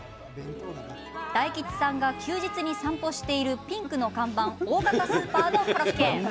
大吉さんが休日に散歩しているピンクの看板大型スーパーのコロッケ。